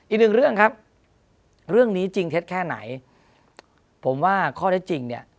อีกหนึ่งเรื่องครับเรื่องนี้จริงเท็จแค่ไหนผมว่าข้อได้จริงเนี่ย